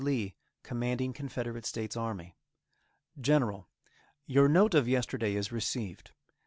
Lee, Commanding Confederate States Army:_ GENERAL: Your note of yesterday is received.